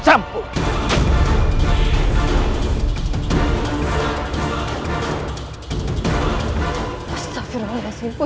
aku akan menang